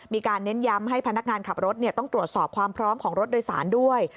เน้นย้ำให้พนักงานขับรถต้องตรวจสอบความพร้อมของรถโดยสารด้วย